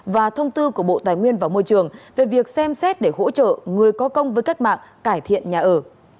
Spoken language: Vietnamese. và thông tư của bộ tài nguyên và môi trường về việc xem xét để hỗ trợ người có công với cách mạng cải thiện nhà ở